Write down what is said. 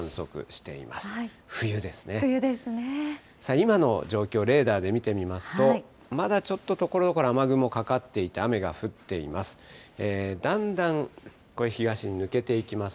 今の状況、レーダーで見てみますと、まだちょっとところどころ雨雲かかっていて、雨が降っています。